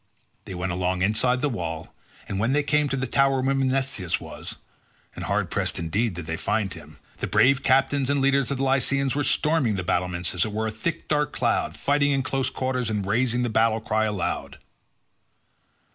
They went along inside the wall, and when they came to the tower where Menestheus was (and hard pressed indeed did they find him) the brave captains and leaders of the Lycians were storming the battlements as it were a thick dark cloud, fighting in close quarters, and raising the battle cry aloud.